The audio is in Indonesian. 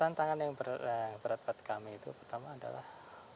tantangan yang berat buat kami itu pertama adalah